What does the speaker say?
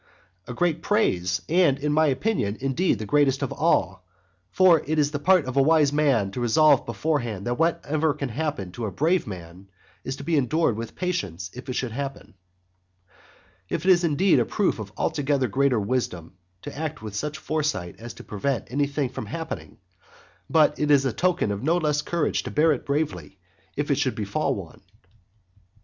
A great praise, and in my opinion indeed the greatest of all, for it is the part of a wise man to resolve beforehand that whatever can happen to a brave man is to be endured with patience if it should happen. It is indeed a proof of altogether greater wisdom to act with such foresight as to prevent any such thing from happening, but it is a token of no less courage to bear it bravely if it should befall one.